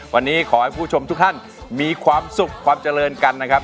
วันนี้ขอให้ผู้ชมทุกท่านมีความสุขความเจริญกันนะครับ